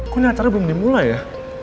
kok ini acara belum dimulai ya